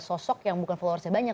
sosok yang bukan followersnya banyak